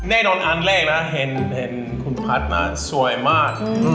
แน่นอนอันแรกนะเห็นคุณพัฒน์มาสวยมาก